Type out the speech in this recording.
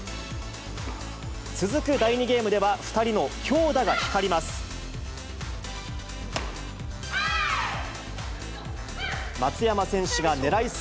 続く第２ゲームでは、２人の強打が光ります。